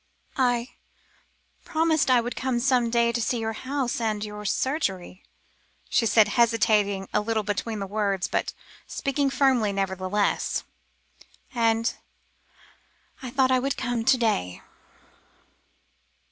"I promised I would come some day to see your house, and your surgery," she said, hesitating a little between the words, but speaking firmly nevertheless, "and I thought I would come to day."